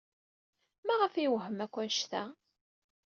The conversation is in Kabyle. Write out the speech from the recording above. Maɣef ay yewhem akk anect-a?